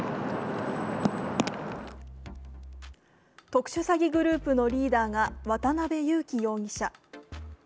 特殊詐欺グループのリーダーが渡辺優樹容疑者。